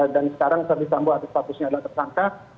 dan sekarang serdi sambo atas statusnya adalah tersangka